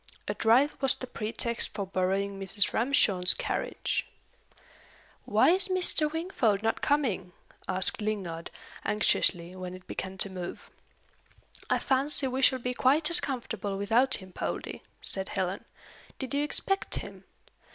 A drive was the pretext for borrowing Mrs. Ramshorn's carriage. "Why is Mr. Wingfold not coming?" asked Lingard, anxiously, when it began to move. "I fancy we shall be quite as comfortable without him, Poldie," said Helen. "Did you expect him?"